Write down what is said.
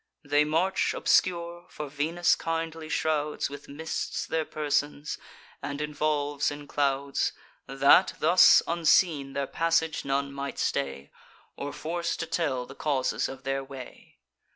They march, obscure; for Venus kindly shrouds With mists their persons, and involves in clouds, That, thus unseen, their passage none might stay, Or force to tell the causes of their way.